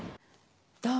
どう？